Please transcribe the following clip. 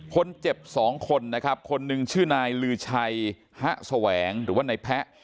คนเจ็บสองคนนะครับคนหนึ่งชื่อนายลือชัยฮะแสวงหรือว่านายแพะ